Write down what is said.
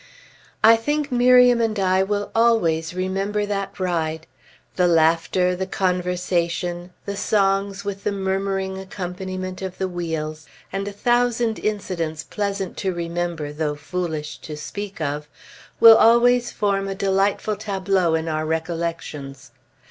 I think Miriam and I will always remember that ride. The laughter, the conversation, the songs with the murmuring accompaniment of the wheels, and a thousand incidents pleasant to remember though foolish to speak of, will always form a delightful tableau in our recollections.